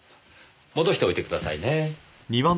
戻しておいてくださいね。